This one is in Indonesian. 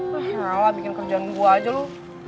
wah halah bikin kerjaan gue aja lo